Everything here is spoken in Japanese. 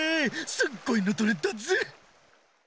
すっごいの撮れたぜ！